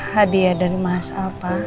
hadiah dari mas alpa